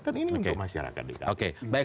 kan ini untuk masyarakat dki baik